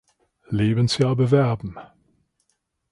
Lebensjahr bewerben.